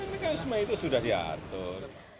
mekanisme itu sudah diatur